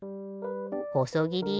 ほそぎり。